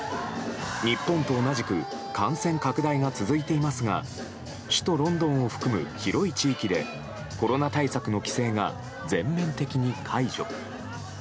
日本と同じく感染拡大が続いていますが首都ロンドンを含む広い地域でコロナ対策の規制が全面的に解除。